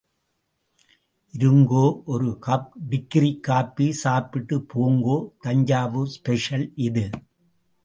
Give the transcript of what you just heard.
இருங்கோ... ஒரு cup degree coffee சாப்பிட்டுப் போங்கோ.... தஞ்சாவூர் ஸ்பெஷல் இது!...